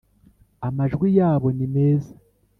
amajwi yabo ni meza